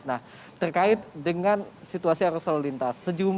nah terkait dengan situasi arus lalu lintas